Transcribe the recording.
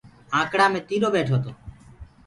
آنڪڙآ مي ٽيڏو ٻيٺو تو۔